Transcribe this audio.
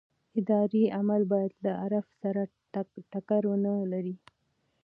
اداري عمل باید له عرف سره ټکر ونه لري.